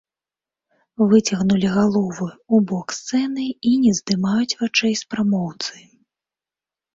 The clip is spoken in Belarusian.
Выцягнулі галовы ў бок сцэны і не здымаюць вачэй з прамоўцы.